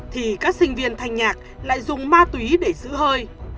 thì các sinh viên thanh nhạc lại dùng ma túy để giữ hơi